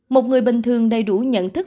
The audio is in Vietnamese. một người bình thường đầy đủ nhận thức